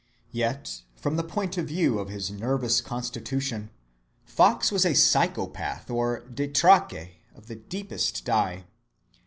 Yet from the point of view of his nervous constitution, Fox was a psychopath or détraqué of the deepest dye.